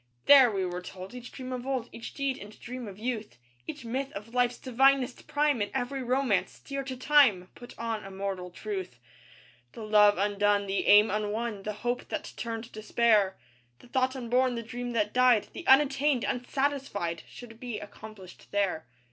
There, we were told, each dream of old, Each deed and dream of youth, Each myth of life's divinest prime, And every romance, dear to time, Put on immortal truth. The love undone; the aim unwon; The hope that turned despair; The thought unborn; the dream that died; The unattained, unsatisfied, Should be accomplished there.